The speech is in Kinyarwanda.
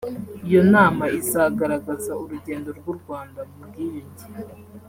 Iyo nama izagaragaza urugendo rw’u Rwanda mu bwiyunge